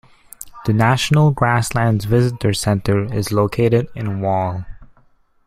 The National Grasslands Visitor Center is located in Wall.